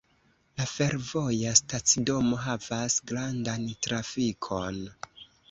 La fervoja stacidomo havas grandan trafikon.